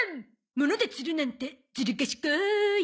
もので釣るなんてずる賢い！